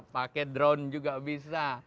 pakai drone juga bisa